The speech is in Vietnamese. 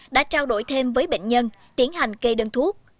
đã trao đổi thêm với bệnh nhân tiến hành kê đơn thuốc